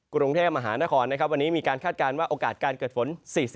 กุรุงเทพสมหานครวันนี้มีการคาดการณ์ว่าโอกาสเกิดฝน๔๐